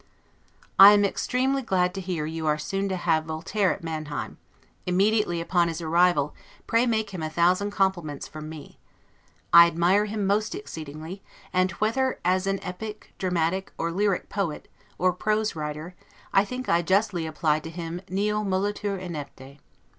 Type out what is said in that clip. I am extremely glad to hear that you are soon to have Voltaire at Manheim: immediately upon his arrival, pray make him a thousand compliments from me. I admire him most exceedingly; and, whether as an epic, dramatic, or lyric poet, or prose writer, I think I justly apply to him the 'Nil molitur inepte'.